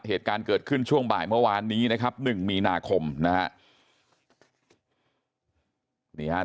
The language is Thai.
เหตุการณ์เกิดขึ้นช่วงบ่ายเมื่อวานนี้นะครับ๑มีนาคมนะฮะ